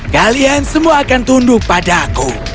kalian semua akan tunduk padaku